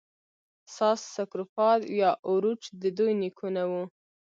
ساس سکروفا یا اوروچ د دوی نیکونه وو.